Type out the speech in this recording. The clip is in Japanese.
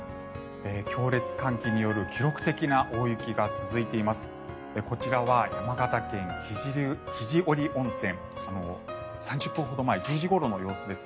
強烈寒気による記録的な大雪が続いています。